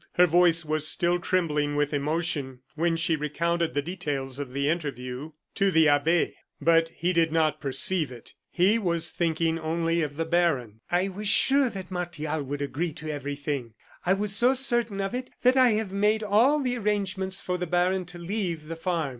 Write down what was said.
Her voice was still trembling with emotion when she recounted the details of the interview to the abbe. But he did not perceive it. He was thinking only of the baron. "I was sure that Martial would agree to everything; I was so certain of it that I have made all the arrangements for the baron to leave the farm.